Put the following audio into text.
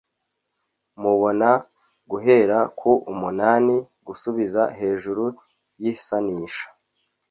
mubona guhera ku “umunani” gusubiza hejuru yisanisha